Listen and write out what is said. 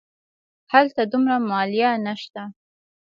هلته دومره مالیه نه شته.